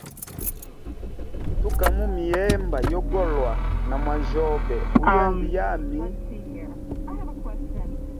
Tuka mumihemba yogolwa na mwajyobe uyende yami.